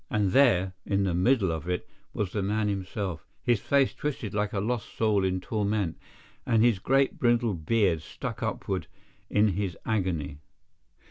And there, in the middle of it, was the man himself—his face twisted like a lost soul in torment, and his great brindled beard stuck upward in his agony.